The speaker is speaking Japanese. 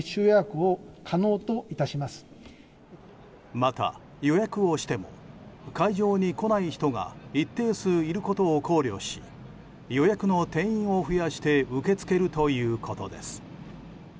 また、予約をしても会場に来ない人が一定数いることを考慮し予約の定員を増やして受け付けるということです。